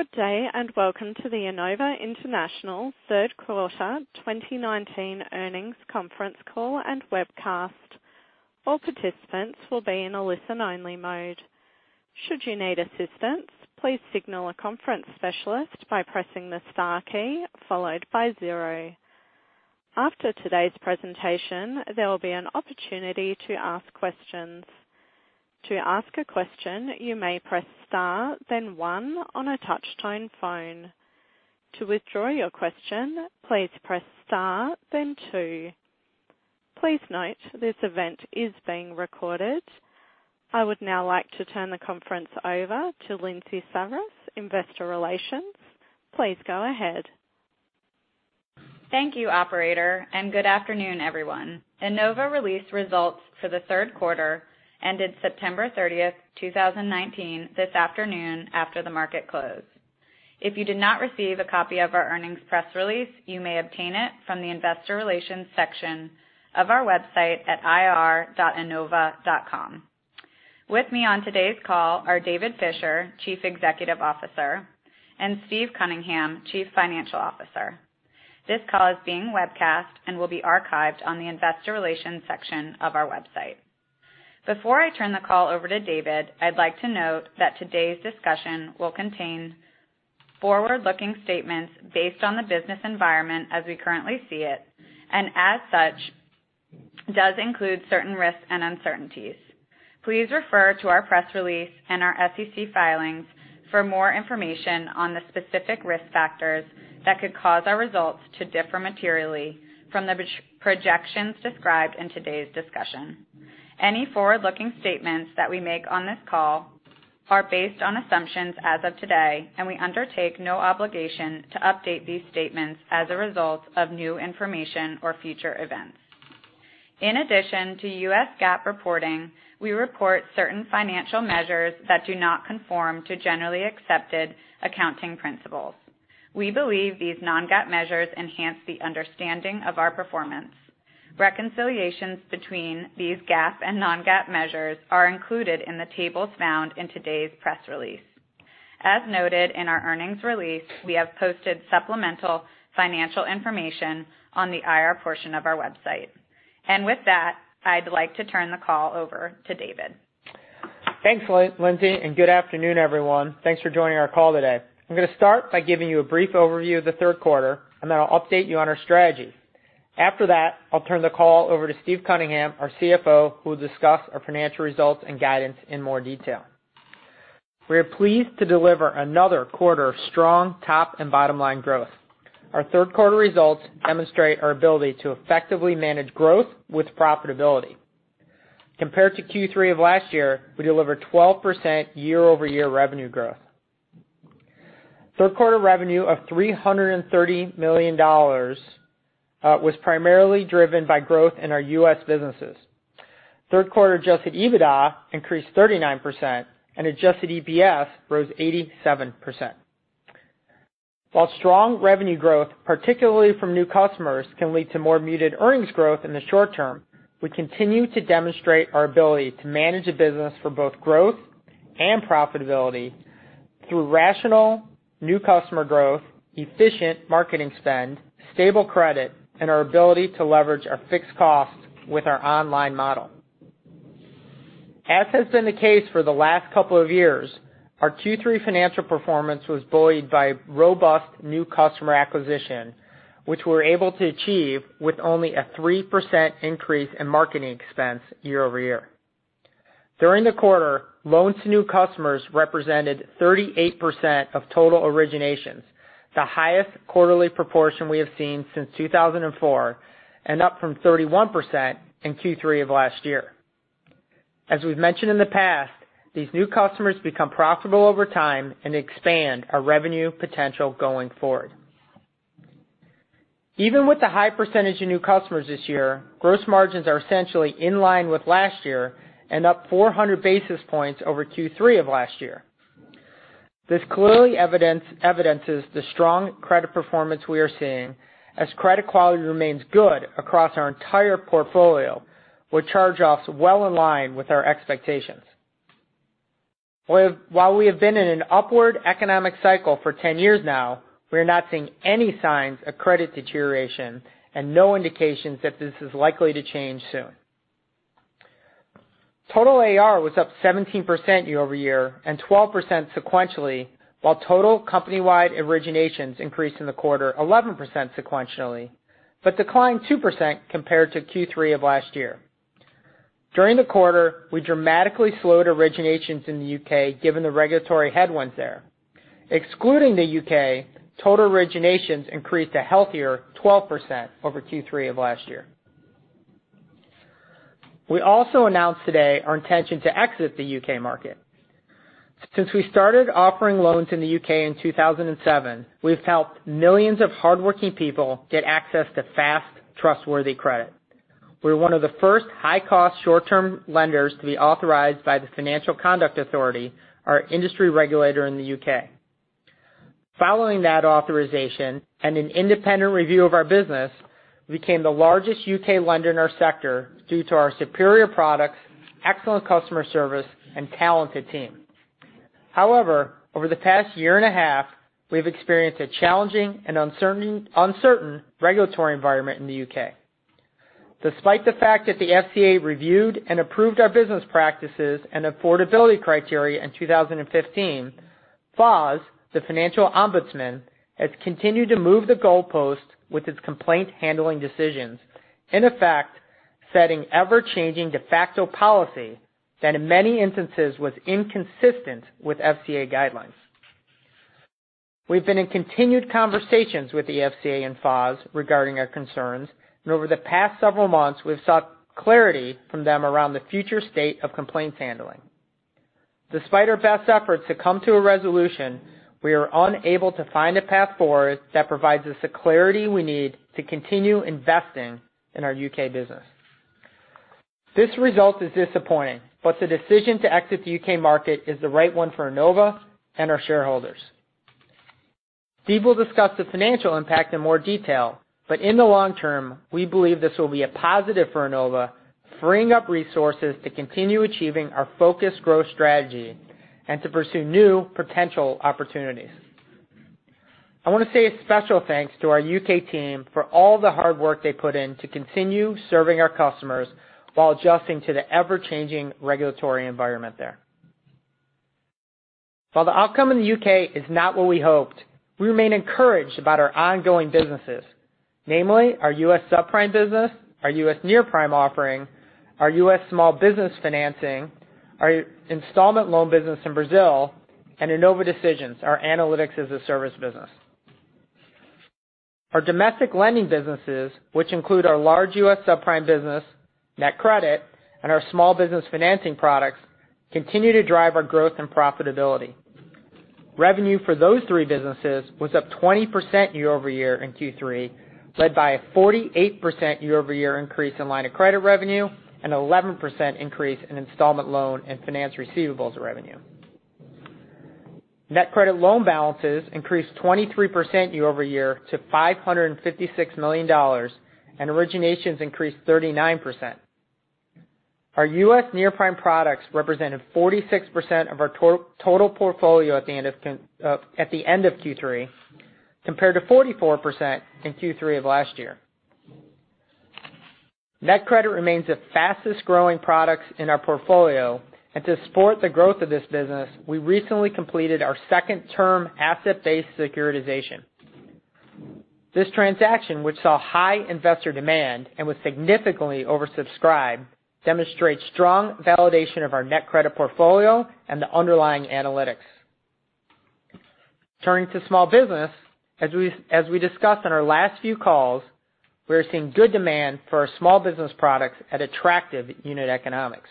Good day, and welcome to the Enova International third quarter 2019 earnings conference call and webcast. All participants will be in a listen-only mode. Should you need assistance, please signal a conference specialist by pressing the star key followed by zero. After today's presentation, there will be an opportunity to ask questions. To ask a question, you may press star, then one on a touch-tone phone. To withdraw your question, please press star then two. Please note this event is being recorded. I would now like to turn the conference over to Lindsay Savarese, Investor Relations. Please go ahead. Thank you, operator, and good afternoon, everyone. Enova released results for the third quarter ended September 30th, 2019 this afternoon after the market close. If you did not receive a copy of our earnings press release, you may obtain it from the investor relations section of our website at ir.enova.com. With me on today's call are David Fisher, Chief Executive Officer, and Steve Cunningham, Chief Financial Officer. This call is being webcast and will be archived on the investor relations section of our website. Before I turn the call over to David, I'd like to note that today's discussion will contain forward-looking statements based on the business environment as we currently see it, and as such, does include certain risks and uncertainties. Please refer to our press release and our SEC filings for more information on the specific risk factors that could cause our results to differ materially from the projections described in today's discussion. Any forward-looking statements that we make on this call are based on assumptions as of today, and we undertake no obligation to update these statements as a result of new information or future events. In addition to US GAAP reporting, we report certain financial measures that do not conform to generally accepted accounting principles. We believe these non-GAAP measures enhance the understanding of our performance. Reconciliations between these GAAP and non-GAAP measures are included in the tables found in today's press release. As noted in our earnings release, we have posted supplemental financial information on the IR portion of our website. With that, I'd like to turn the call over to David. Thanks, Lindsay. Good afternoon, everyone. Thanks for joining our call today. I'm going to start by giving you a brief overview of the third quarter, and then I'll update you on our strategy. After that, I'll turn the call over to Steve Cunningham, our CFO, who will discuss our financial results and guidance in more detail. We are pleased to deliver another quarter of strong top and bottom-line growth. Our third quarter results demonstrate our ability to effectively manage growth with profitability. Compared to Q3 of last year, we delivered 12% year-over-year revenue growth. Third quarter revenue of $330 million was primarily driven by growth in our U.S. businesses. Third-quarter adjusted EBITDA increased 39%, and adjusted EPS rose 87%. While strong revenue growth, particularly from new customers, can lead to more muted earnings growth in the short term, we continue to demonstrate our ability to manage a business for both growth and profitability through rational new customer growth, efficient marketing spend, stable credit, and our ability to leverage our fixed costs with our online model. As has been the case for the last couple of years, our Q3 financial performance was buoyed by robust new customer acquisition, which we were able to achieve with only a 3% increase in marketing expense year-over-year. During the quarter, loans to new customers represented 38% of total originations, the highest quarterly proportion we have seen since 2004, and up from 31% in Q3 of last year. As we've mentioned in the past, these new customers become profitable over time and expand our revenue potential going forward. Even with the high percentage of new customers this year, gross margins are essentially in line with last year and up 400 basis points over Q3 of last year. This clearly evidences the strong credit performance we are seeing as credit quality remains good across our entire portfolio, with charge-offs well in line with our expectations. While we have been in an upward economic cycle for 10 years now, we are not seeing any signs of credit deterioration and no indications that this is likely to change soon. Total AR was up 17% year-over-year and 12% sequentially, while total company-wide originations increased in the quarter 11% sequentially, but declined 2% compared to Q3 of last year. During the quarter, we dramatically slowed originations in the U.K. given the regulatory headwinds there. Excluding the U.K., total originations increased a healthier 12% over Q3 of last year. We also announced today our intention to exit the U.K. market. Since we started offering loans in the U.K. in 2007, we've helped millions of hardworking people get access to fast, trustworthy credit. We're one of the first high-cost short-term lenders to be authorized by the Financial Conduct Authority, our industry regulator in the U.K. Following that authorization and an independent review of our business, we became the largest U.K. lender in our sector due to our superior products, excellent customer service, and talented team. However, over the past year and a half, we've experienced a challenging and uncertain regulatory environment in the U.K. Despite the fact that the FCA reviewed and approved our business practices and affordability criteria in 2015, FOS, the Financial Ombudsman, has continued to move the goalpost with its complaint handling decisions, in effect, setting ever-changing de facto policy that in many instances was inconsistent with FCA guidelines. We've been in continued conversations with the FCA and FOS regarding our concerns, and over the past several months, we've sought clarity from them around the future state of complaints handling. Despite our best efforts to come to a resolution, we are unable to find a path forward that provides us the clarity we need to continue investing in our U.K. business. This result is disappointing, but the decision to exit the U.K. market is the right one for Enova and our shareholders. Steve will discuss the financial impact in more detail, but in the long term, we believe this will be a positive for Enova, freeing up resources to continue achieving our focused growth strategy and to pursue new potential opportunities. I want to say a special thanks to our U.K. team for all the hard work they put in to continue serving our customers while adjusting to the ever-changing regulatory environment there. While the outcome in the U.K. is not what we hoped, we remain encouraged about our ongoing businesses, namely our U.S. subprime business, our U.S. near-prime offering, our U.S. small business financing, our installment loan business in Brazil, and Enova Decisions, our analytics-as-a-service business. Our domestic lending businesses, which include our large U.S. subprime business, NetCredit, and our small business financing products, continue to drive our growth and profitability. Revenue for those three businesses was up 20% year-over-year in Q3, led by a 48% year-over-year increase in line of credit revenue, and 11% increase in installment loan and finance receivables revenue. NetCredit loan balances increased 23% year-over-year to $556 million, originations increased 39%. Our U.S. near-prime products represented 46% of our total portfolio at the end of Q3, compared to 44% in Q3 of last year. NetCredit remains the fastest-growing product in our portfolio. To support the growth of this business, we recently completed our second term asset-backed securitization. This transaction, which saw high investor demand and was significantly oversubscribed, demonstrates strong validation of our NetCredit portfolio and the underlying analytics. Turning to small business, as we discussed on our last few calls, we are seeing good demand for our small business products at attractive unit economics.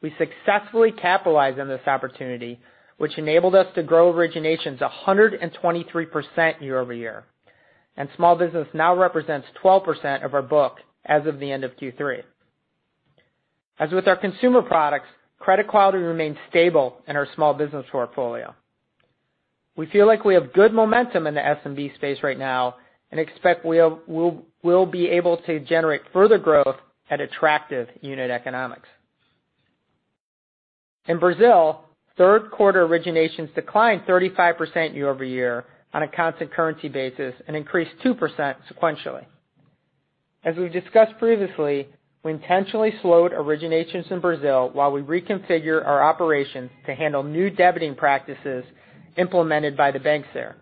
We successfully capitalized on this opportunity, which enabled us to grow originations 123% year-over-year. Small business now represents 12% of our book as of the end of Q3. As with our consumer products, credit quality remains stable in our small business portfolio. We feel like we have good momentum in the SMB space right now and expect we'll be able to generate further growth at attractive unit economics. In Brazil, third quarter originations declined 35% year-over-year on a constant currency basis and increased 2% sequentially. As we've discussed previously, we intentionally slowed originations in Brazil while we reconfigure our operations to handle new debiting practices implemented by the banks there.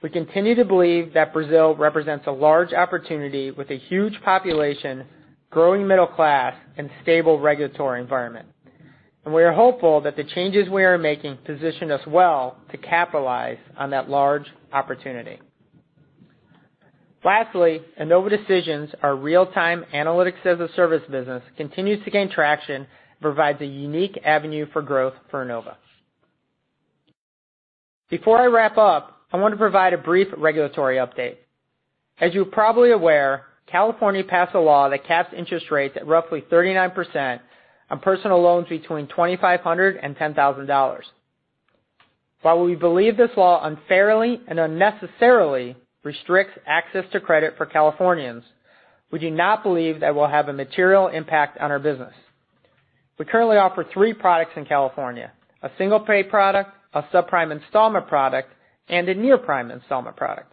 We continue to believe that Brazil represents a large opportunity with a huge population, growing middle class, and stable regulatory environment. We are hopeful that the changes we are making position us well to capitalize on that large opportunity. Lastly, Enova Decisions, our real-time analytics-as-a-service business, continues to gain traction and provides a unique avenue for growth for Enova. Before I wrap up, I want to provide a brief regulatory update. As you are probably aware, California passed a law that caps interest rates at roughly 39% on personal loans between $2,500 and $10,000. While we believe this law unfairly and unnecessarily restricts access to credit for Californians, we do not believe that will have a material impact on our business. We currently offer three products in California, a single pay product, a subprime installment product, and a near-prime installment product.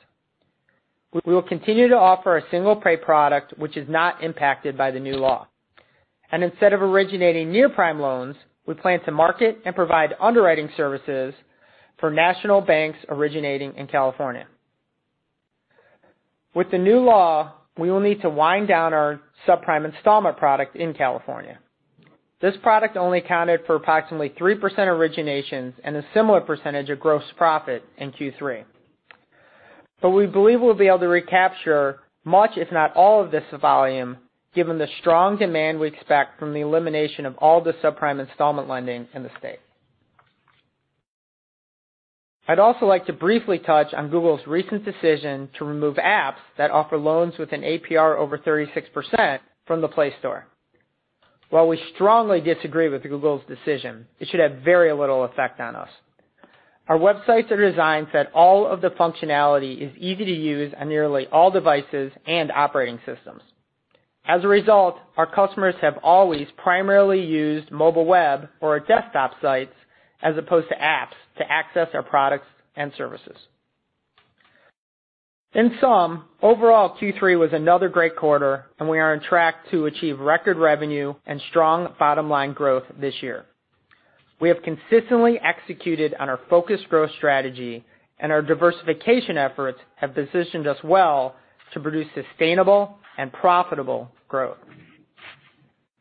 We will continue to offer a single pay product, which is not impacted by the new law. Instead of originating near-prime loans, we plan to market and provide underwriting services for national banks originating in California. With the new law, we will need to wind down our subprime installment product in California. This product only accounted for approximately 3% of originations and a similar percentage of gross profit in Q3. We believe we'll be able to recapture much, if not all of this volume, given the strong demand we expect from the elimination of all the subprime installment lending in the state. I'd also like to briefly touch on Google's recent decision to remove apps that offer loans with an APR over 36% from the Play Store. While we strongly disagree with Google's decision, it should have very little effect on us. Our websites are designed so that all of the functionality is easy to use on nearly all devices and operating systems. As a result, our customers have always primarily used mobile web or our desktop sites as opposed to apps to access our products and services. In sum, overall Q3 was another great quarter, and we are on track to achieve record revenue and strong bottom-line growth this year. We have consistently executed on our focused growth strategy, and our diversification efforts have positioned us well to produce sustainable and profitable growth.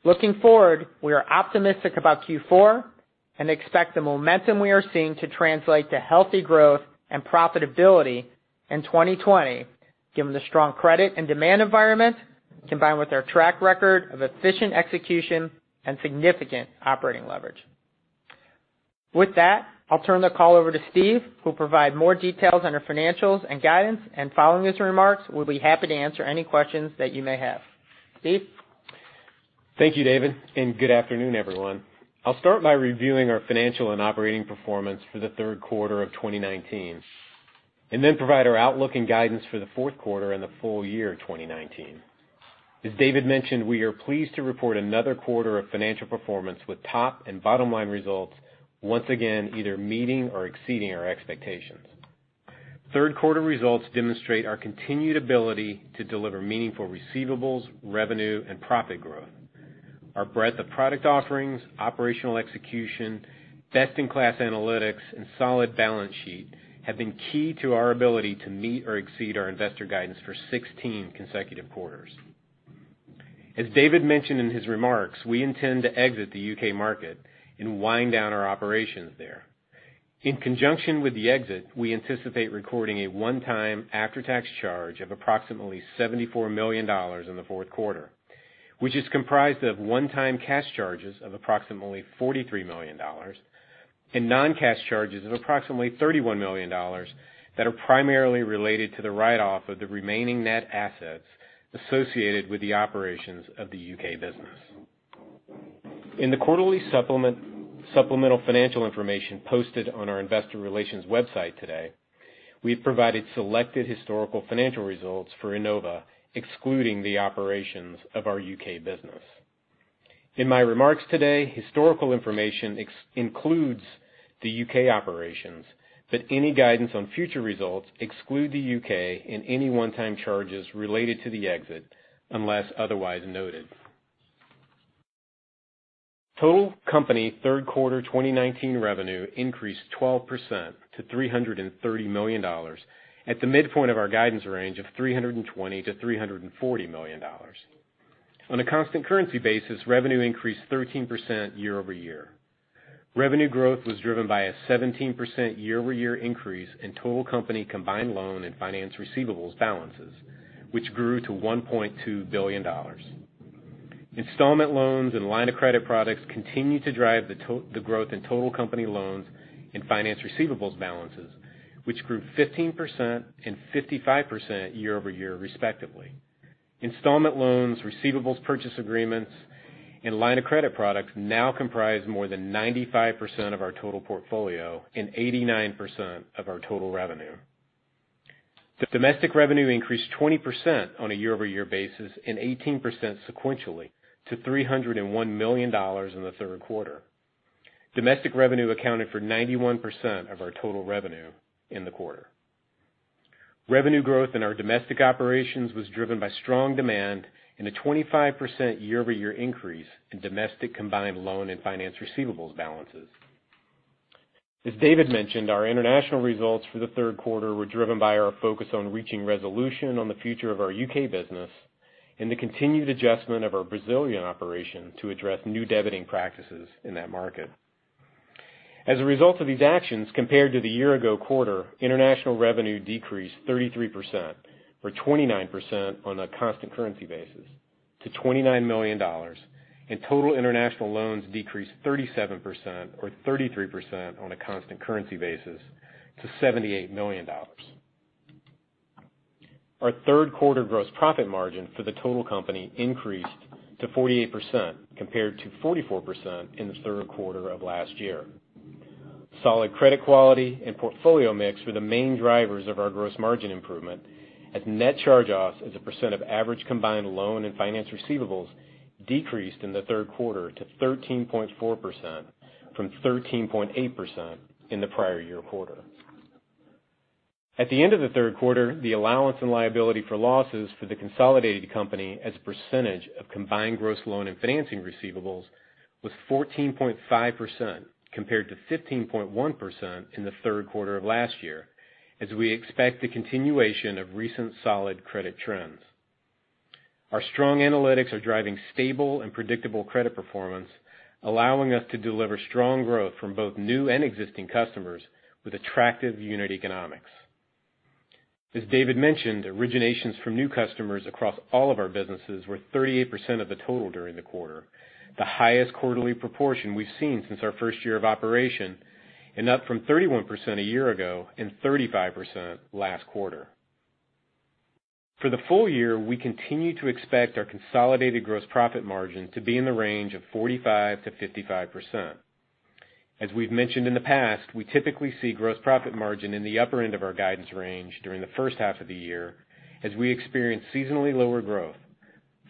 Looking forward, we are optimistic about Q4 and expect the momentum we are seeing to translate to healthy growth and profitability in 2020, given the strong credit and demand environment, combined with our track record of efficient execution and significant operating leverage. With that, I'll turn the call over to Steve, who'll provide more details on our financials and guidance. Following his remarks, we'll be happy to answer any questions that you may have. Steve? Thank you, David. Good afternoon, everyone. I'll start by reviewing our financial and operating performance for the third quarter of 2019 and then provide our outlook and guidance for the fourth quarter and the full year of 2019. As David mentioned, we are pleased to report another quarter of financial performance with top and bottom-line results once again either meeting or exceeding our expectations. Third quarter results demonstrate our continued ability to deliver meaningful receivables, revenue, and profit growth. Our breadth of product offerings, operational execution, best-in-class analytics, and solid balance sheet have been key to our ability to meet or exceed our investor guidance for 16 consecutive quarters. As David mentioned in his remarks, we intend to exit the U.K. market and wind down our operations there. In conjunction with the exit, we anticipate recording a one-time after-tax charge of approximately $74 million in the fourth quarter, which is comprised of one-time cash charges of approximately $43 million and non-cash charges of approximately $31 million that are primarily related to the write-off of the remaining net assets associated with the operations of the U.K. business. In the quarterly supplemental financial information posted on our investor relations website today, we've provided selected historical financial results for Enova, excluding the operations of our U.K. business. In my remarks today, historical information includes the U.K. operations, but any guidance on future results exclude the U.K. and any one-time charges related to the exit, unless otherwise noted. Total company third quarter 2019 revenue increased 12% to $330 million at the midpoint of our guidance range of $320 million-$340 million. On a constant currency basis, revenue increased 13% year-over-year. Revenue growth was driven by a 17% year-over-year increase in total company combined loan and finance receivables balances, which grew to $1.2 billion. Installment loans and line of credit products continue to drive the growth in total company loans and finance receivables balances, which grew 15% and 55% year-over-year respectively. Installment loans, receivables purchase agreements, and line of credit products now comprise more than 95% of our total portfolio and 89% of our total revenue. The domestic revenue increased 20% on a year-over-year basis and 18% sequentially to $301 million in the third quarter. Domestic revenue accounted for 91% of our total revenue in the quarter. Revenue growth in our domestic operations was driven by strong demand and a 25% year-over-year increase in domestic combined loan and finance receivables balances. As David mentioned, our international results for the third quarter were driven by our focus on reaching resolution on the future of our U.K. business and the continued adjustment of our Brazilian operation to address new debiting practices in that market. As a result of these actions, compared to the year ago quarter, international revenue decreased 33%, or 29% on a constant currency basis, to $29 million, and total international loans decreased 37%, or 33% on a constant currency basis, to $78 million. Our third quarter gross profit margin for the total company increased to 48% compared to 44% in the third quarter of last year. Solid credit quality and portfolio mix were the main drivers of our gross margin improvement as net charge-offs as a percent of average combined loan and finance receivables decreased in the third quarter to 13.4% from 13.8% in the prior year quarter. At the end of the third quarter, the allowance and liability for losses for the consolidated company as a percentage of combined gross loan and financing receivables was 14.5% compared to 15.1% in the third quarter of last year, as we expect the continuation of recent solid credit trends. Our strong analytics are driving stable and predictable credit performance, allowing us to deliver strong growth from both new and existing customers with attractive unit economics. As David mentioned, originations from new customers across all of our businesses were 38% of the total during the quarter, the highest quarterly proportion we've seen since our first year of operation and up from 31% a year ago and 35% last quarter. For the full year, we continue to expect our consolidated gross profit margin to be in the range of 45%-55%. As we've mentioned in the past, we typically see gross profit margin in the upper end of our guidance range during the first half of the year, as we experience seasonally lower growth,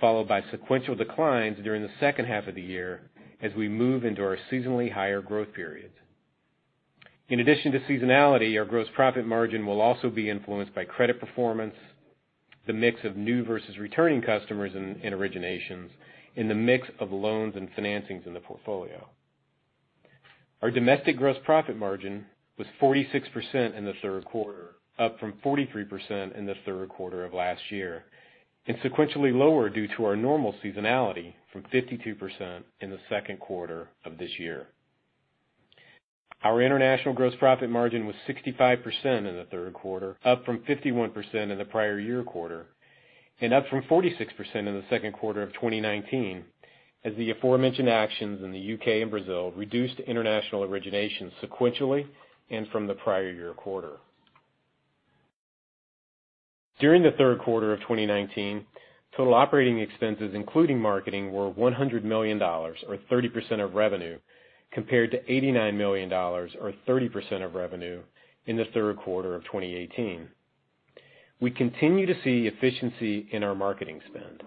followed by sequential declines during the second half of the year as we move into our seasonally higher growth periods. In addition to seasonality, our gross profit margin will also be influenced by credit performance, the mix of new versus returning customers in originations, and the mix of loans and financings in the portfolio. Our domestic gross profit margin was 46% in the third quarter, up from 43% in the third quarter of last year, and sequentially lower due to our normal seasonality from 52% in the second quarter of this year. Our international gross profit margin was 65% in the third quarter, up from 51% in the prior year quarter, and up from 46% in the second quarter of 2019. As the aforementioned actions in the U.K. and Brazil reduced international originations sequentially and from the prior year quarter. During the third quarter of 2019, total operating expenses, including marketing, were $100 million, or 30% of revenue, compared to $89 million or 30% of revenue in the third quarter of 2018. We continue to see efficiency in our marketing spend.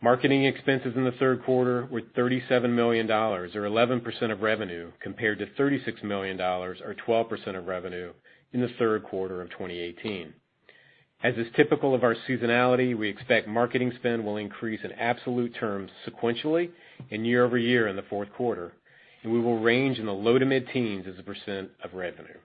Marketing expenses in the third quarter were $37 million or 11% of revenue compared to $36 million or 12% of revenue in the third quarter of 2018. As is typical of our seasonality, we expect marketing spend will increase in absolute terms sequentially and year-over-year in the fourth quarter, and we will range in the low to mid-teens as a percent of revenue.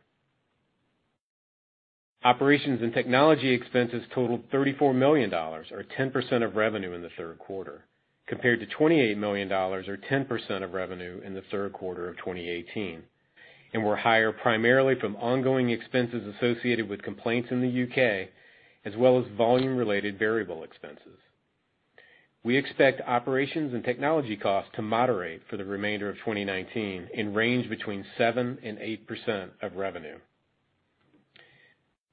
Operations and technology expenses totaled $34 million or 10% of revenue in the third quarter, compared to $28 million or 10% of revenue in the third quarter of 2018, and were higher primarily from ongoing expenses associated with complaints in the U.K., as well as volume-related variable expenses. We expect operations and technology costs to moderate for the remainder of 2019 and range between 7% and 8% of revenue.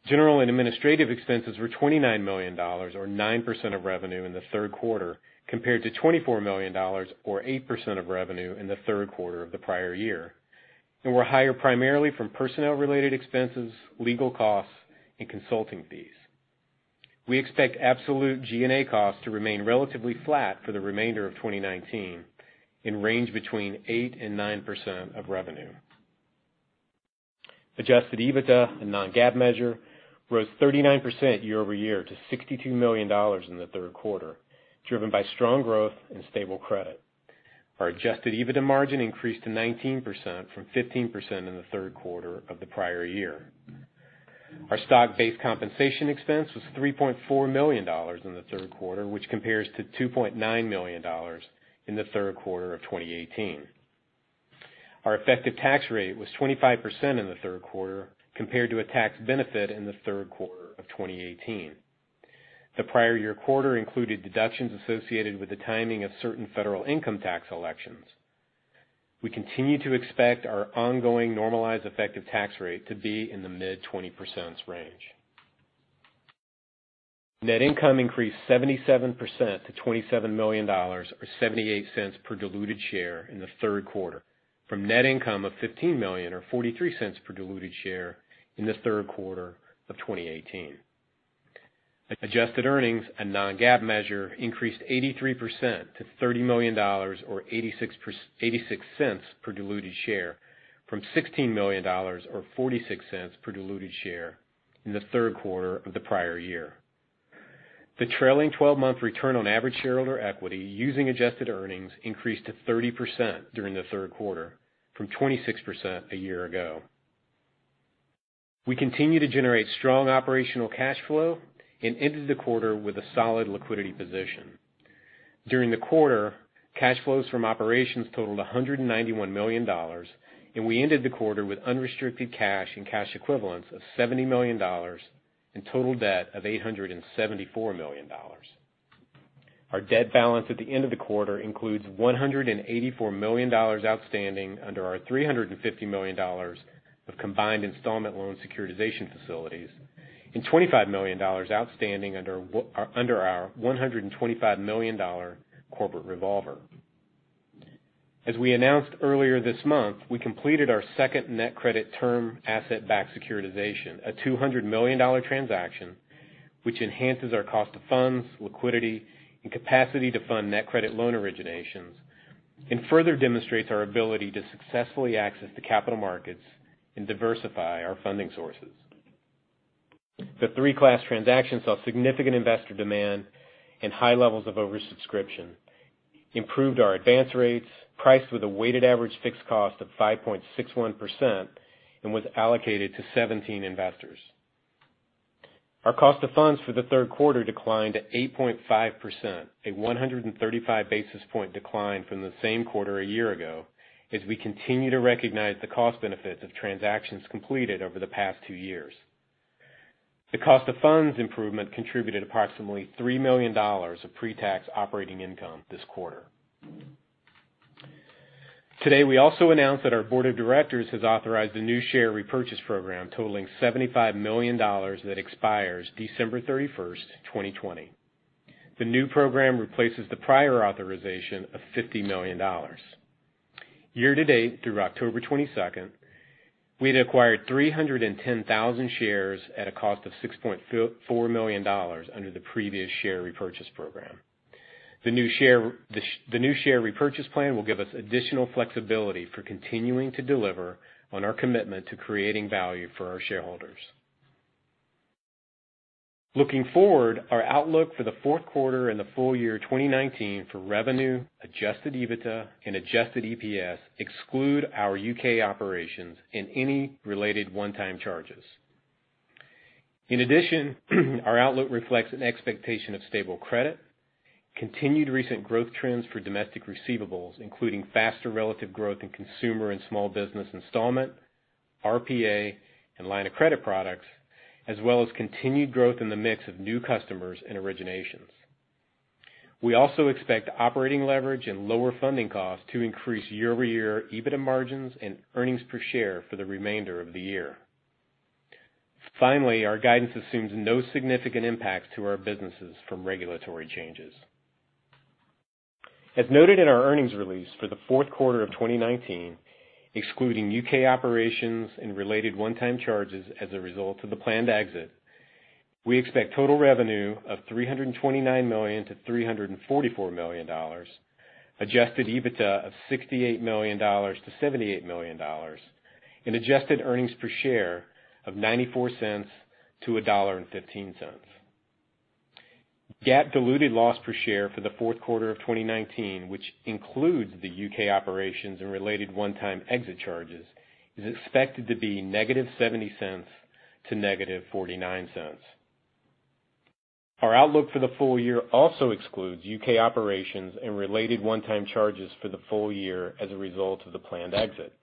General and administrative expenses were $29 million or 9% of revenue in the third quarter, compared to $24 million or 8% of revenue in the third quarter of the prior year and were higher primarily from personnel-related expenses, legal costs and consulting fees. We expect absolute G&A costs to remain relatively flat for the remainder of 2019 and range between 8% and 9% of revenue. Adjusted EBITDA and non-GAAP measure rose 39% year-over-year to $62 million in the third quarter, driven by strong growth and stable credit. Our adjusted EBITDA margin increased to 19%, from 15% in the third quarter of the prior year. Our stock-based compensation expense was $3.4 million in the third quarter, which compares to $2.9 million in the third quarter of 2018. Our effective tax rate was 25% in the third quarter, compared to a tax benefit in the third quarter of 2018. The prior year quarter included deductions associated with the timing of certain federal income tax elections. We continue to expect our ongoing normalized effective tax rate to be in the mid-20% range. Net income increased 77% to $27 million, or $0.78 per diluted share in the third quarter from net income of $15 million, or $0.43 per diluted share in the third quarter of 2018. Adjusted earnings and non-GAAP measure increased 83% to $30 million, or $0.86 per diluted share from $16 million, or $0.46 per diluted share in the third quarter of the prior year. The trailing 12-month return on average shareholder equity using adjusted earnings increased to 30% during the third quarter from 26% a year ago. We continue to generate strong operational cash flow and ended the quarter with a solid liquidity position. During the quarter, cash flows from operations totaled $191 million, and we ended the quarter with unrestricted cash and cash equivalents of $70 million and total debt of $874 million. Our debt balance at the end of the quarter includes $184 million outstanding under our $350 million of combined installment loan securitization facilities and $25 million outstanding under our $125 million corporate revolver. As we announced earlier this month, we completed our second NetCredit term asset-backed securitization, a $200 million transaction which enhances our cost of funds, liquidity and capacity to fund NetCredit loan originations and further demonstrates our ability to successfully access the capital markets and diversify our funding sources. The three-class transaction saw significant investor demand and high levels of oversubscription, improved our advance rates, priced with a weighted average fixed cost of 5.61%, and was allocated to 17 investors. Our cost of funds for the third quarter declined to 8.5%, a 135-basis-point decline from the same quarter a year ago, as we continue to recognize the cost benefits of transactions completed over the past two years. The cost of funds improvement contributed approximately $3 million of pre-tax operating income this quarter. Today, we also announced that our board of directors has authorized a new share repurchase program totaling $75 million that expires December 31st, 2020. The new program replaces the prior authorization of $50 million. Year-to-date through October 22nd, we'd acquired 310,000 shares at a cost of $6.4 million under the previous share repurchase program. The new share repurchase plan will give us additional flexibility for continuing to deliver on our commitment to creating value for our shareholders. Looking forward, our outlook for the fourth quarter and the full year 2019 for revenue, adjusted EBITDA, and adjusted EPS exclude our U.K. operations and any related one-time charges. In addition, our outlook reflects an expectation of stable credit, continued recent growth trends for domestic receivables, including faster relative growth in consumer and small business installment, RPA, and line of credit products, as well as continued growth in the mix of new customers and originations. We also expect operating leverage and lower funding costs to increase year-over-year EBITDA margins and earnings per share for the remainder of the year. Finally, our guidance assumes no significant impacts to our businesses from regulatory changes. As noted in our earnings release for the fourth quarter of 2019, excluding U.K. operations and related one-time charges as a result of the planned exit, we expect total revenue of $329 million-$344 million, adjusted EBITDA of $68 million-$78 million, and adjusted earnings per share of $0.94-$1.15. GAAP diluted loss per share for the fourth quarter of 2019, which includes the U.K. operations and related one-time exit charges, is expected to be -$0.70 to -$0.49. Our outlook for the full year also excludes U.K. operations and related one-time charges for the full year as a result of the planned exit.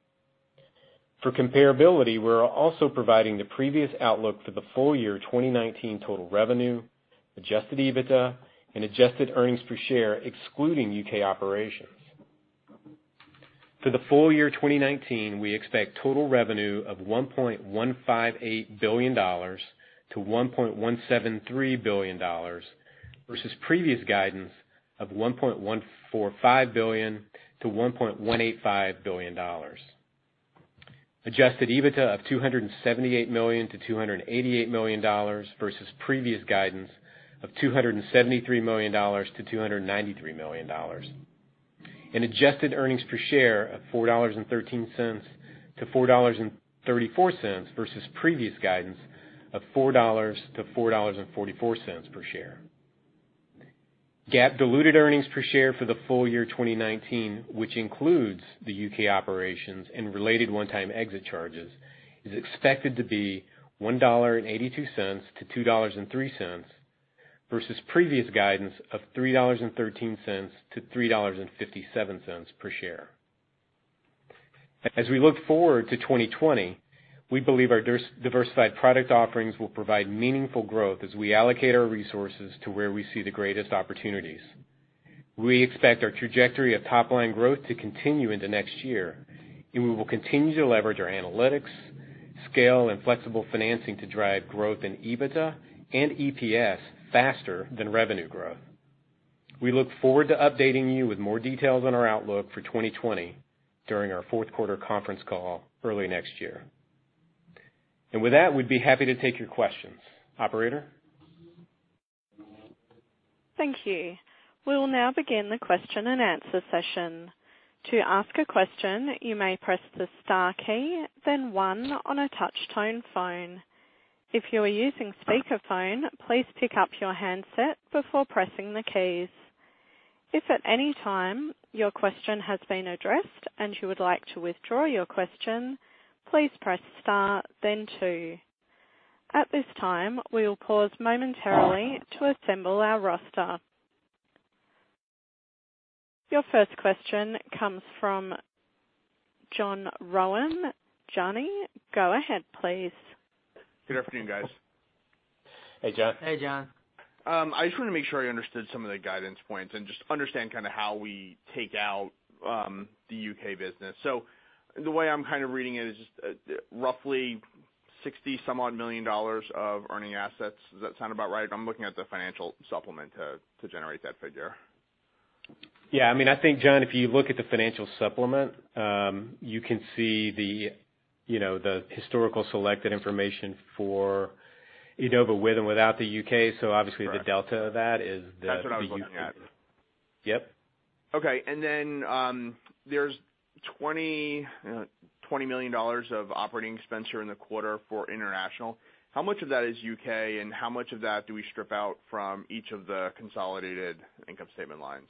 For comparability, we are also providing the previous outlook for the full year 2019 total revenue, adjusted EBITDA, and adjusted earnings per share excluding U.K. operations. For the full year 2019, we expect total revenue of $1.158 billion-$1.173 billion versus previous guidance of $1.145 billion-$1.185 billion. Adjusted EBITDA of $278 million-$288 million versus previous guidance of $273 million-$293 million. Adjusted earnings per share of $4.13-$4.34 versus previous guidance of $4-$4.44 per share. GAAP diluted earnings per share for the full year 2019, which includes the U.K. operations and related one-time exit charges, is expected to be $1.82-$2.03 versus previous guidance of $3.13-$3.57 per share. As we look forward to 2020, we believe our diversified product offerings will provide meaningful growth as we allocate our resources to where we see the greatest opportunities. We expect our trajectory of top-line growth to continue into next year, and we will continue to leverage our analytics, scale, and flexible financing to drive growth in EBITDA and EPS faster than revenue growth. We look forward to updating you with more details on our outlook for 2020 during our fourth quarter conference call early next year. With that, we'd be happy to take your questions. Operator? Thank you. We'll now begin the question and answer session. To ask a question, you may press the star key, then one on a touch-tone phone. If you are using speakerphone, please pick up your handset before pressing the keys. If at any time your question has been addressed and you would like to withdraw your question, please press star then two. At this time, we will pause momentarily to assemble our roster. Your first question comes from John Rowan. Johnny, go ahead, please. Good afternoon, guys. Hey, John. Hey, John. I just wanted to make sure I understood some of the guidance points and just understand kind of how we take out the U.K. business. The way I'm kind of reading it is just roughly $60-some-odd million of earning assets. Does that sound about right? I'm looking at the financial supplement to generate that figure. Yeah. I think, John, if you look at the financial supplement, you can see the historical selected information for Enova with and without the U.K. That's what I was looking at. Yep. Okay. Then there's $20 million of operating expense here in the quarter for international. How much of that is U.K., and how much of that do we strip out from each of the consolidated income statement lines?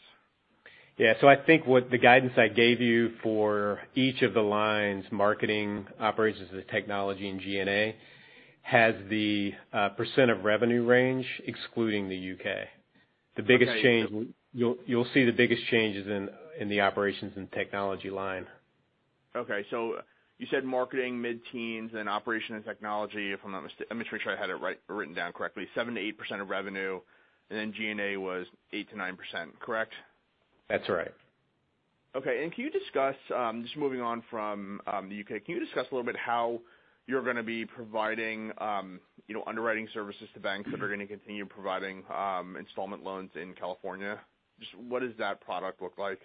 Yeah. I think what the guidance I gave you for each of the lines, marketing, operations technology, and G&A, has the % of revenue range excluding the U.K. Okay. You'll see the biggest changes in the operations and technology line. Okay. You said marketing mid-teens and operation and technology, if I'm not mistaken. Let me make sure I had it written down correctly. 7%-8% of revenue, then G&A was 8%-9%, correct? That's right. Okay. Can you discuss, just moving on from the U.K., can you discuss a little bit how you're going to be providing underwriting services to banks that are going to continue providing installment loans in California? Just what does that product look like?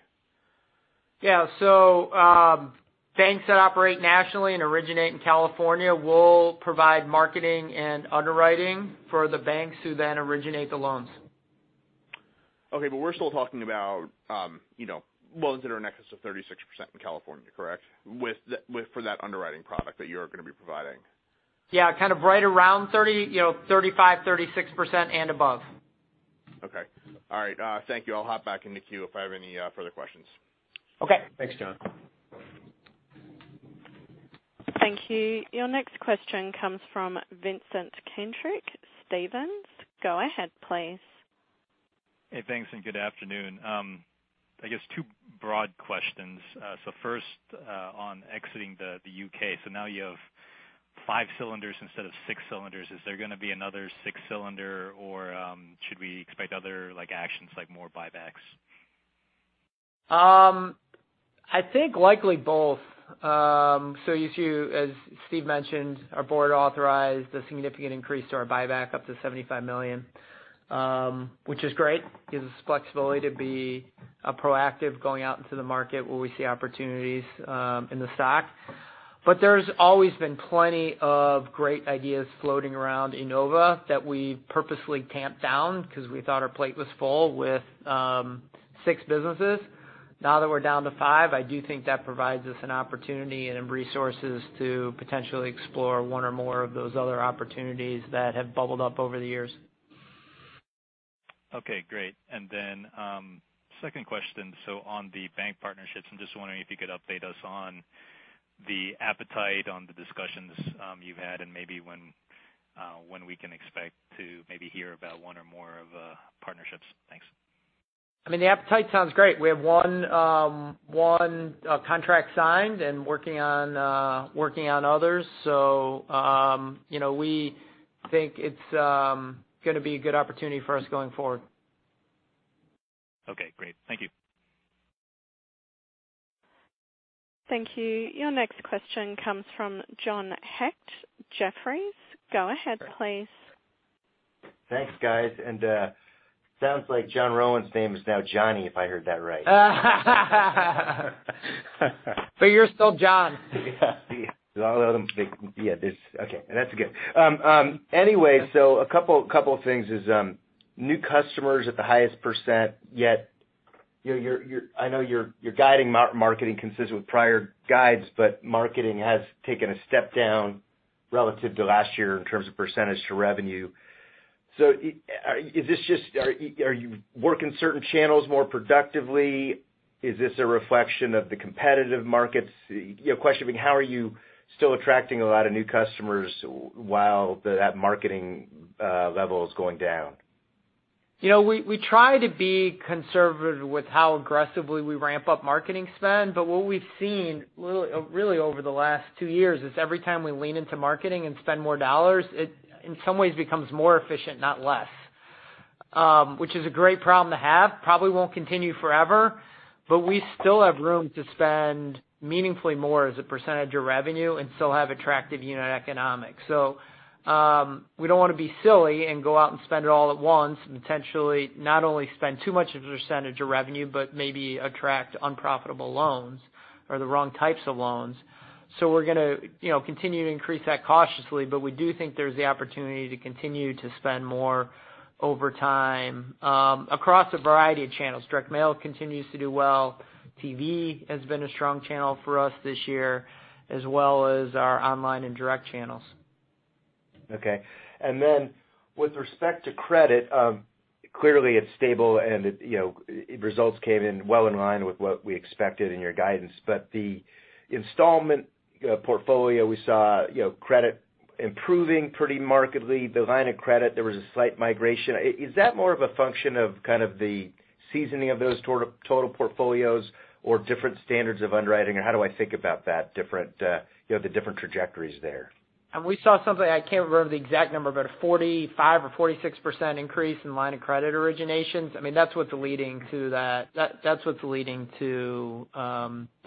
Yeah. Banks that operate nationally and originate in California, we'll provide marketing and underwriting for the banks who then originate the loans. Okay. We're still talking about loans that are in excess of 36% in California, correct, for that underwriting product that you're going to be providing? Yeah. Kind of right around 35%, 36% and above. Okay. All right. Thank you. I'll hop back in the queue if I have any further questions. Okay. Thanks, John. Thank you. Your next question comes from Vincent Caintic, Stephens. Go ahead, please. Hey, thanks. Good afternoon. I guess two broad questions. First, on exiting the U.K. Now you have five cylinders instead of six cylinders. Is there going to be another six cylinder or should we expect other actions, like more buybacks? I think likely both. As Steve mentioned, our board authorized a significant increase to our buyback up to $75 million, which is great. Gives us flexibility to be proactive going out into the market where we see opportunities in the stock. There's always been plenty of great ideas floating around Enova that we purposely tamped down because we thought our plate was full with six businesses. Now that we're down to five, I do think that provides us an opportunity and resources to potentially explore one or more of those other opportunities that have bubbled up over the years. Okay, great. Second question. On the bank partnerships, I'm just wondering if you could update us on the appetite on the discussions you've had and maybe when we can expect to maybe hear about one or more of partnerships. Thanks. I mean, the appetite sounds great. We have one contract signed and working on others. We think it's going to be a good opportunity for us going forward. Okay, great. Thank you. Thank you. Your next question comes from John Hecht, Jefferies. Go ahead, please. Thanks, guys. Sounds like John Rowan's name is now Johnny, if I heard that right. You're still John. Yeah. Yeah. Okay. That's good. Anyway, a couple of things is new customers at the highest % yet. I know you're guiding marketing consistent with prior guides, marketing has taken a step down relative to last year in terms of % to revenue. Are you working certain channels more productively? Is this a reflection of the competitive markets? Question being, how are you still attracting a lot of new customers while that marketing level is going down? We try to be conservative with how aggressively we ramp up marketing spend. What we've seen really over the last two years is every time we lean into marketing and spend more dollars, it in some ways becomes more efficient, not less, which is a great problem to have. Probably won't continue forever, but we still have room to spend meaningfully more as a percentage of revenue and still have attractive unit economics. We don't want to be silly and go out and spend it all at once and potentially not only spend too much of a percentage of revenue, but maybe attract unprofitable loans or the wrong types of loans. We're going to continue to increase that cautiously, but we do think there's the opportunity to continue to spend more over time across a variety of channels. Direct mail continues to do well. TV has been a strong channel for us this year, as well as our online and direct channels. Okay. Then with respect to credit, clearly it's stable and results came in well in line with what we expected in your guidance. The installment portfolio, we saw credit improving pretty markedly. The line of credit, there was a slight migration. Is that more of a function of kind of the seasoning of those total portfolios or different standards of underwriting? How do I think about the different trajectories there? We saw something, I can't remember the exact number, but a 45% or 46% increase in line of credit originations. That's what's leading to the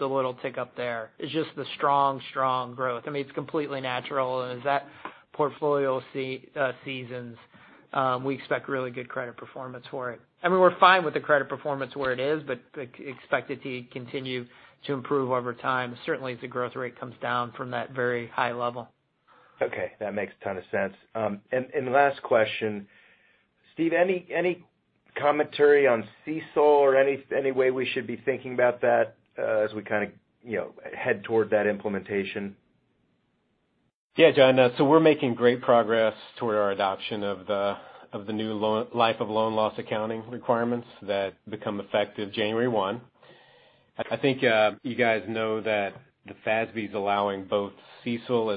little tick up there. It's just the strong growth. It's completely natural. As that portfolio seasons, we expect really good credit performance for it. We're fine with the credit performance where it is, but expect it to continue to improve over time. Certainly, as the growth rate comes down from that very high level. Okay. That makes ton of sense. Last question. Steve, any commentary on CECL or any way we should be thinking about that as we head toward that implementation? Yeah, John. We're making great progress toward our adoption of the new life of loan loss accounting requirements that become effective January 1. I think you guys know that the FASB's allowing both CECL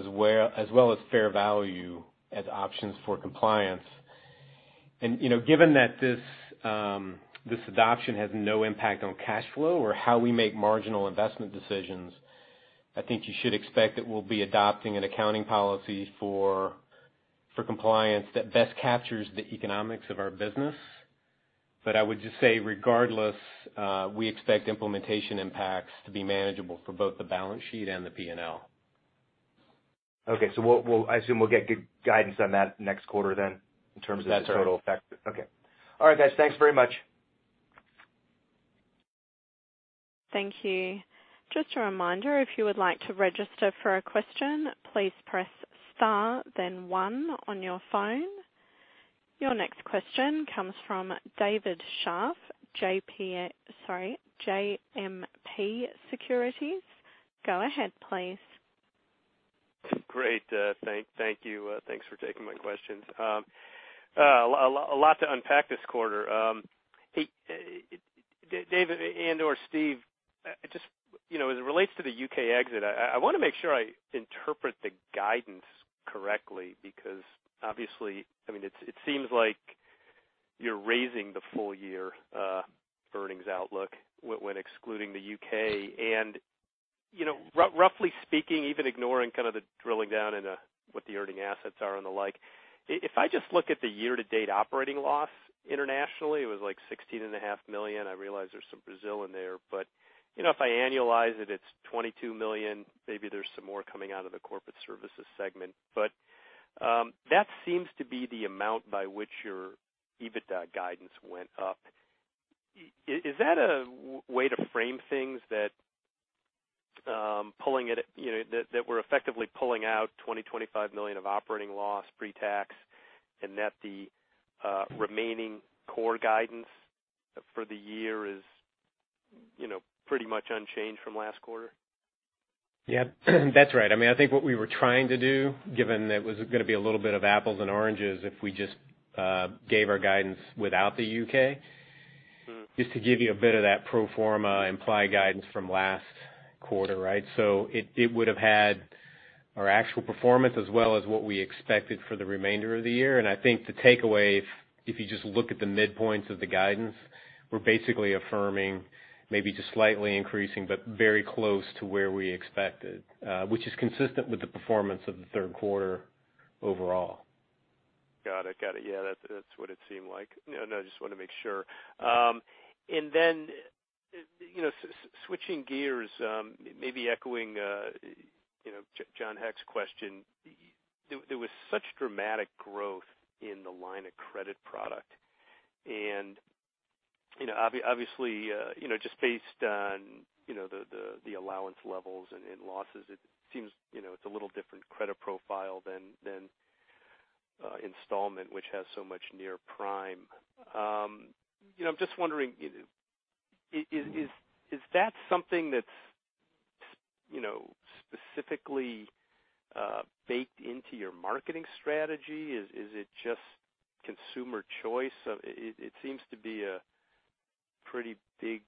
as well as fair value as options for compliance. Given that this adoption has no impact on cash flow or how we make marginal investment decisions, I think you should expect that we'll be adopting an accounting policy for compliance that best captures the economics of our business. I would just say, regardless, we expect implementation impacts to be manageable for both the balance sheet and the P&L. Okay. I assume we'll get good guidance on that next quarter then in terms of. That's right. the total effect. Okay. All right, guys. Thanks very much. Thank you. Just a reminder, if you would like to register for a question, please press star then one on your phone. Your next question comes from David Scharf, JMP Securities. Go ahead, please. Great. Thank you. Thanks for taking my questions. A lot to unpack this quarter. David and/or Steve, as it relates to the U.K. exit, I want to make sure I interpret the guidance correctly, because obviously, it seems like you're raising the full year earnings outlook when excluding the U.K. Roughly speaking, even ignoring kind of the drilling down into what the earning assets are and the like, if I just look at the year-to-date operating loss internationally, it was like $16.5 million. I realize there's some Brazil in there, but if I annualize it's $22 million. Maybe there's some more coming out of the corporate services segment. That seems to be the amount by which your EBITDA guidance went up. Is that a way to frame things that we're effectively pulling out $20 million, $25 million of operating loss pre-tax, and that the remaining core guidance for the year is pretty much unchanged from last quarter? Yeah. That's right. I think what we were trying to do, given that it was going to be a little bit of apples and oranges if we just gave our guidance without the U.K., is to give you a bit of that pro forma implied guidance from last quarter, right? It would've had our actual performance as well as what we expected for the remainder of the year. I think the takeaway, if you just look at the midpoints of the guidance, we're basically affirming, maybe just slightly increasing, but very close to where we expected. Which is consistent with the performance of the third quarter overall. Got it. Yeah, that's what it seemed like. No, I just want to make sure. Then, switching gears, maybe echoing John Hecht's question, there was such dramatic growth in the line of credit product. Obviously, just based on the allowance levels and losses, it seems it's a little different credit profile than installment, which has so much near prime. I'm just wondering, is that something that's specifically baked into your marketing strategy? Is it just consumer choice? It seems to be a pretty big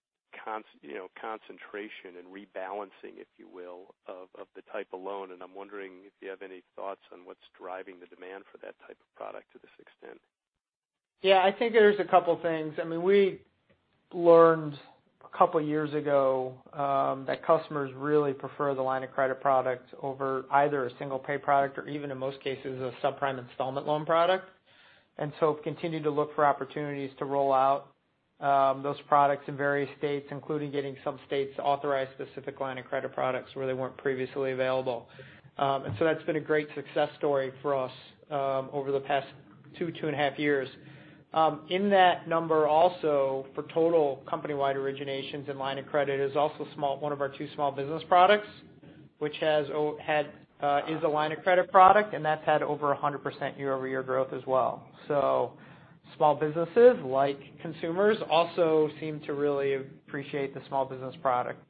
concentration and rebalancing, if you will, of the type of loan, and I'm wondering if you have any thoughts on what's driving the demand for that type of product to this extent. Yeah, I think there's a couple things. We learned a couple of years ago that customers really prefer the line of credit product over either a single-pay product or even, in most cases, a subprime installment loan product. We've continued to look for opportunities to roll out those products in various states, including getting some states to authorize specific line of credit products where they weren't previously available. That's been a great success story for us over the past two and a half years. In that number also for total company-wide originations and line of credit is also one of our two small business products, which is a line of credit product, and that's had over 100% year-over-year growth as well. Small businesses, like consumers, also seem to really appreciate the small business product,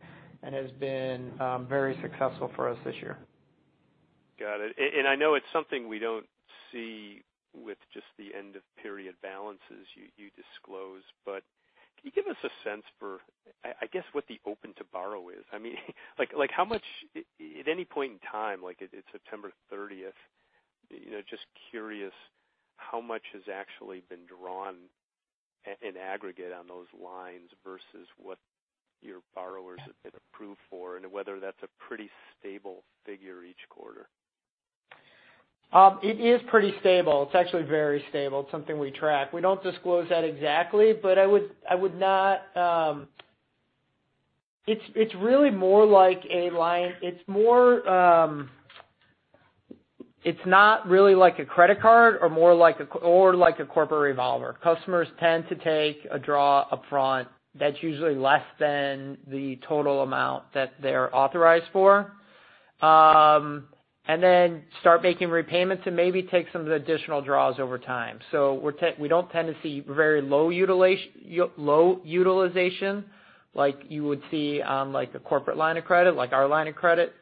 and has been very successful for us this year. Got it. I know it's something we don't see with just the end-of-period balances you disclose, but can you give us a sense for, I guess, what the open to borrow is? At any point in time, like at September 30th, just curious how much has actually been drawn in aggregate on those lines versus what your borrowers have been approved for, and whether that's a pretty stable figure each quarter. It is pretty stable. It's actually very stable. It's something we track. We don't disclose that exactly, but it's not really like a credit card or like a corporate revolver. Customers tend to take a draw upfront that's usually less than the total amount that they're authorized for, and then start making repayments and maybe take some of the additional draws over time. We don't tend to see very low utilization like you would see on a corporate line of credit, like our line of credit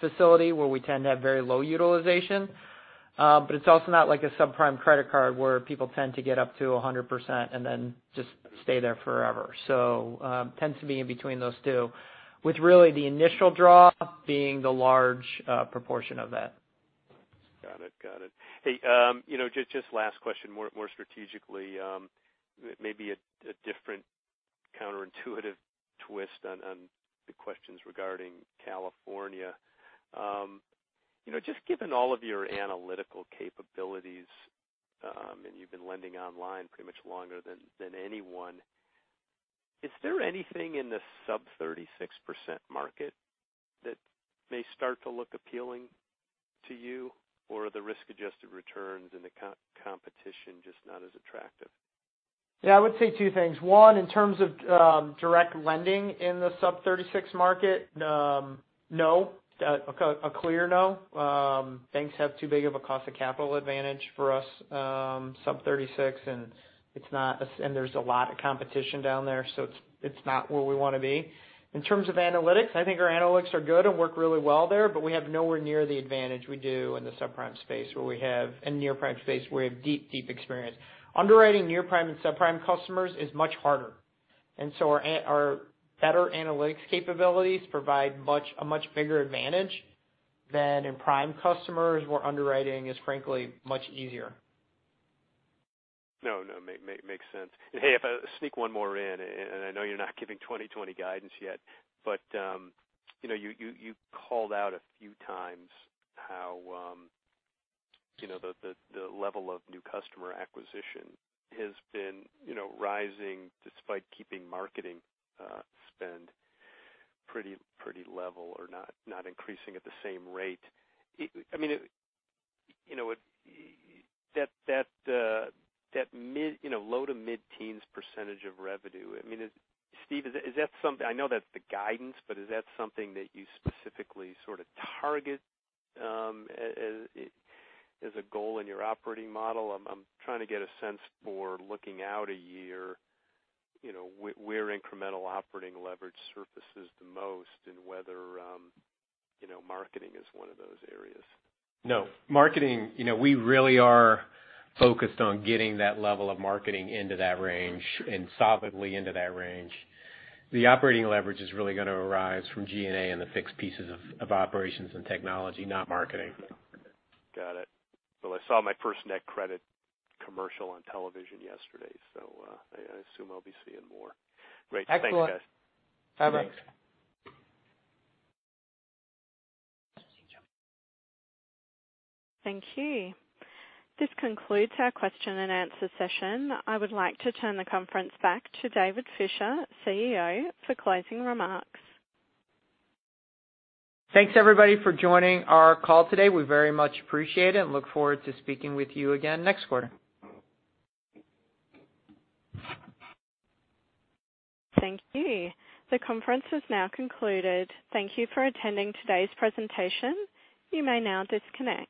facility where we tend to have very low utilization. It's also not like a subprime credit card where people tend to get up to 100% and then just stay there forever. Tends to be in between those two. With really the initial draw being the large proportion of that. Got it. Hey, just last question, more strategically. Maybe a different counterintuitive twist on the questions regarding California. Just given all of your analytical capabilities, and you've been lending online pretty much longer than anyone, is there anything in the sub 36% market that may start to look appealing to you? Are the risk-adjusted returns and the competition just not as attractive? I would say two things. One, in terms of direct lending in the sub 36 market, no. A clear no. Banks have too big of a cost of capital advantage for us, sub 36, and there's a lot of competition down there, so it's not where we want to be. In terms of analytics, I think our analytics are good and work really well there, but we have nowhere near the advantage we do in the subprime space and near-prime space, where we have deep experience. Underwriting near-prime and subprime customers is much harder, and so our better analytics capabilities provide a much bigger advantage than in prime customers, where underwriting is frankly much easier. No, makes sense. Hey, if I sneak one more in, and I know you're not giving 2020 guidance yet, but you called out a few times how the level of new customer acquisition has been rising despite keeping marketing spend pretty level or not increasing at the same rate. That low-to-mid teens % of revenue, Steve, I know that's the guidance, but is that something that you specifically sort of target as a goal in your operating model? I'm trying to get a sense for looking out a year, where incremental operating leverage surfaces the most and whether marketing is one of those areas. No. We really are focused on getting that level of marketing into that range and solidly into that range. The operating leverage is really going to arise from G&A and the fixed pieces of operations and technology, not marketing. Got it. Well, I saw my first NetCredit commercial on television yesterday, so I assume I'll be seeing more. Great. Thanks, guys. Excellent. Thanks. Thank you. This concludes our question and answer session. I would like to turn the conference back to David Fisher, CEO, for closing remarks. Thanks everybody for joining our call today. We very much appreciate it and look forward to speaking with you again next quarter. Thank you. The conference has now concluded. Thank you for attending today's presentation. You may now disconnect.